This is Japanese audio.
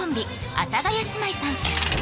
阿佐ヶ谷姉妹さん